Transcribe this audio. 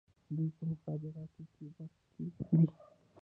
دوی په مخابراتو کې مخکې دي.